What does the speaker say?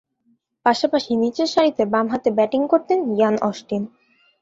পাশাপাশি নিচেরসারিতে বামহাতে ব্যাটিং করতেন ইয়ান অস্টিন।